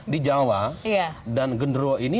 di jawa dan genderuo ini